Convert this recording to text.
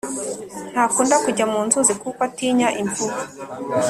ntakunda kujya munzuzi kuko atinya imvubu